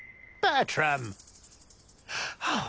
はあ